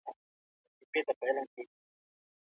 خپل کالي په صابون سره پاک وساتئ.